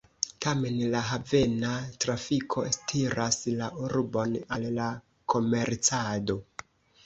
Tamen la havena trafiko tiras la urbon al la komercado.